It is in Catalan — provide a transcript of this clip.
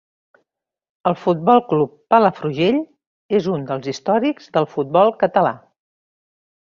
El Futbol Club Palafrugell és un dels històrics del futbol català.